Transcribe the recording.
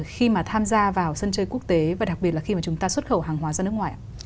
khi mà chúng ta vào sân chơi quốc tế và đặc biệt là khi mà chúng ta xuất khẩu hàng hóa ra nước ngoài